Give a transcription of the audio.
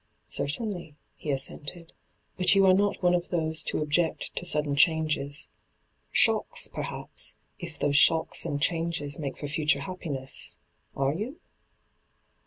*' Certainly/ he assented. ' But you are not one of those to object to sudden changes — shocks, perhaps — if those shocks and changes make for future happiness — are you?'